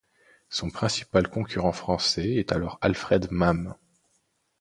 Son principal concurrent français est alors Alfred Mame.